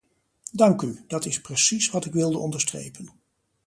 Dank u, dat is precies wat ik wilde onderstrepen.